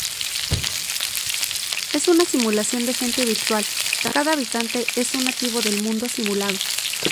En una simulación de gente virtual, cada habitante es un nativo del mundo simulado.